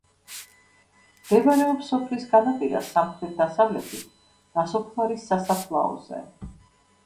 მდებარეობს სოფლის განაპირას, სამხრეთ დასავლეთით, ნასოფლარის სასაფლაოზე.